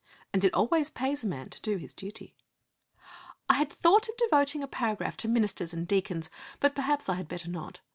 And it always pays a man to do his duty. I had thought of devoting a paragraph to ministers and deacons. But perhaps I had better not.